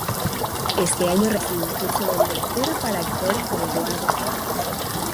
Este último año, recibe un curso de Lectura para actores con Eduardo Fuentes.